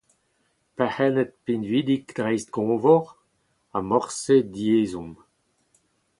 Perc’henned pinvidik dreist-goñvor ha morse diezhomm.